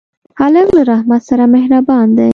هلک له رحمت سره مهربان دی.